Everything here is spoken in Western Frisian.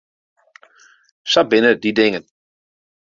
Sa binne dy dingen.